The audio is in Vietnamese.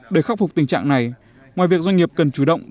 để khắc phục tình trạng này ngoài việc doanh nghiệp cần chủ động